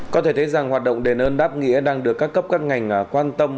có thể thấy rằng hoạt động đền ơn đáp nghĩa đang được các cấp các ngành quan tâm